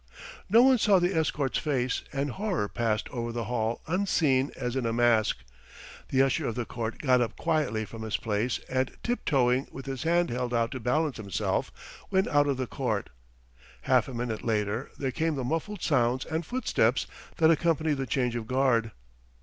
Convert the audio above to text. No one saw the escort's face, and horror passed over the hall unseen as in a mask. The usher of the court got up quietly from his place and tiptoeing with his hand held out to balance himself went out of the court. Half a minute later there came the muffled sounds and footsteps that accompany the change of guard.